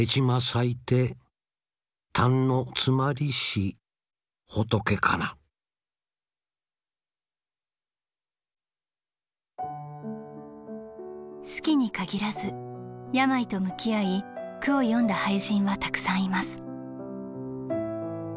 子規に限らず病と向き合い句を詠んだ俳人はたくさんいます。